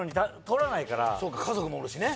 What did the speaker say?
取らないからそうか家族もおるしね